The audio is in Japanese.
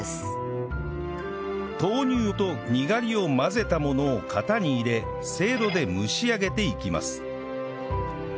豆乳とにがりを混ぜたものを型に入れせいろで蒸し上げていきます